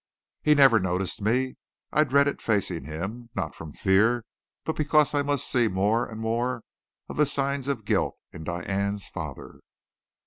He never noticed me. I dreaded facing him not from fear, but because I must see more and more of the signs of guilt in Diane's father.